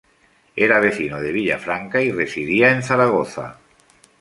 Era vecino de Villafranca y residía en Zaragoza.